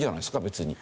別に。